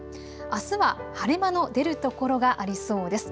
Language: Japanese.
あすは晴れ間の出る所がありそうです。